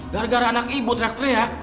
gara gara anak ibu teriak teriak